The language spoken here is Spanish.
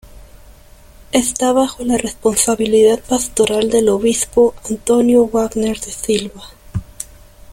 Esta bajo la responsabilidad pastoral del obispo Antônio Wagner da Silva.